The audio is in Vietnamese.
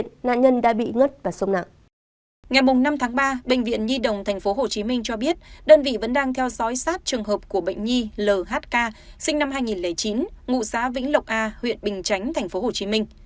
ngày năm tháng ba bệnh viện nhi đồng tp hcm cho biết đơn vị vẫn đang theo dõi sát trường hợp của bệnh nhi lk sinh năm hai nghìn chín ngụ xã vĩnh lộc a huyện bình chánh tp hcm